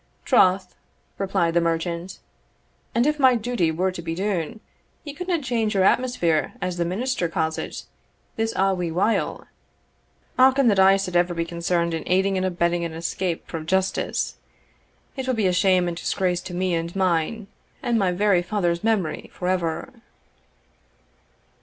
"Troth," replied the merchant, "and if my duty were to be dune, ye couldna change your atmosphere, as the minister ca's it, this ae wee while. Ochon, that I sud ever be concerned in aiding and abetting an escape frae justice! it will be a shame and disgrace to me and mine, and my very father's memory, for ever."